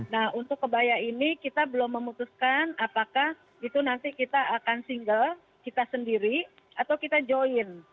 nah untuk kebaya ini kita belum memutuskan apakah itu nanti kita akan single kita sendiri atau kita join